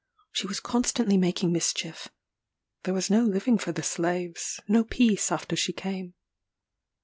She was constantly making mischief; there was no living for the slaves no peace after she came.